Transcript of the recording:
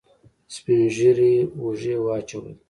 سپينږيري اوږې واچولې.